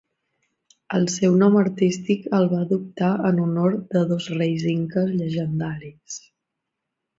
El seu nom artístic el va adoptar en honor de dos reis inques llegendaris.